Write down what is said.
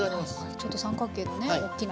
ちょっと三角形でねおっきな。